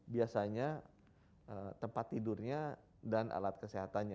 biasanya tempat tidurnya dan alat kesehatannya